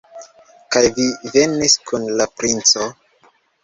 Kaj vi venis kun la princo?